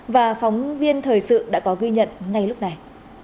và phóng viên thời sự đã có ghi nhận ngay lúc này